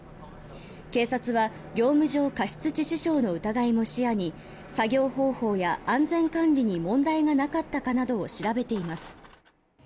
警察は業務上過失致死傷の疑いも視野に作業方法や安全管理に問題がなかったかなどを調べています。